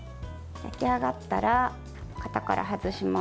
焼き上がったら型から外します。